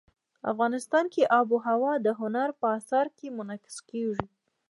افغانستان کې آب وهوا د هنر په اثار کې منعکس کېږي.